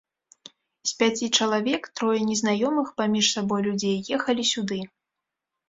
З пяці чалавек трое незнаёмых паміж сабой людзей ехалі сюды.